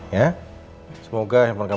ya semoga handphone kamu berkali kali